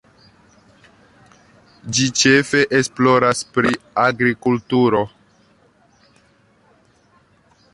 Ĝi ĉefe esploras pri agrikulturo.